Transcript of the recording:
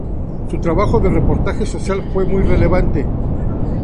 Su trabajo de reportaje social fue muy relevante.